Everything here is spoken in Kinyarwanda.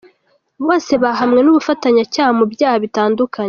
Bose bahamwe n’ubufatanyacyaha mu byaha bitandukanye.